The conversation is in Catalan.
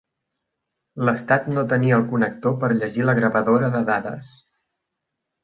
L'estat no tenia el connector per llegir la gravadora de dades.